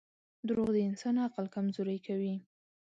• دروغ د انسان عقل کمزوری کوي.